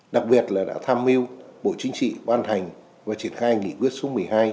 đặc biệt là đã tham mưu bộ chính trị ban hành và triển khai nghị quyết số một mươi hai